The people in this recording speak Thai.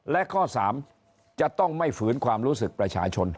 และข้อ๓จะต้องไม่ฝืนความรู้สึกประชาชน